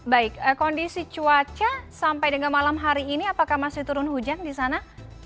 baik kondisi cuaca sampai dengan malam hari ini apakah masih turun hujan di sana